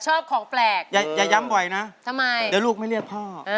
ชอบของแปลกอย่าย้ำบ่อยนะถ้าลูกไม่เรียกพ่อ